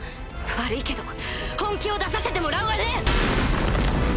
悪いけど本気を出させてもらうわね！